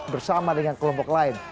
bersama dengan kelompok lain